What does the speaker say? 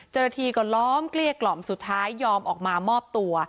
เจ้าหน้าที่ก็ล้อมเกลี้ยกล่อมสุดท้ายยอมออกมามอบตัว